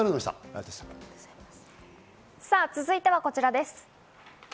続いてはこちらです。